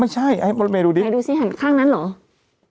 ไม่ใช่ให้มนตเมนดูดิกางนั้นเหรอ